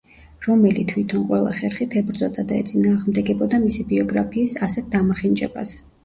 რომელი თვითონ ყველა ხერხით ებრძოდა და ეწინააღმდეგებოდა მისი ბიოგრაფიის ასეთ დამახინჯებას.